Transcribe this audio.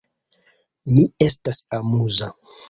Mi estas amuza.